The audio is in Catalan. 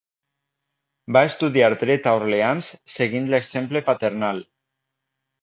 Va estudiar Dret a Orleans, seguint l'exemple paternal.